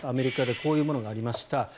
アメリカでこういうものがありました。